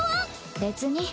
別に。